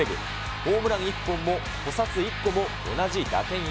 ホームラン１本も補殺１個も同じ打点１。